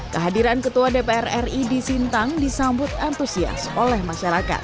kehadiran ketua dpr ri di sintang disambut antusias oleh masyarakat